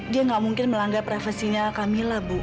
dia nggak mungkin melanggar privasinya kamila bu